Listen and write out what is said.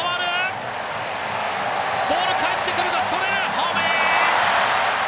ホームイン！